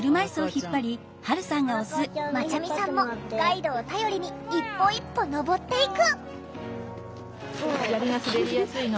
まちゃみさんもガイドを頼りに一歩一歩登っていく。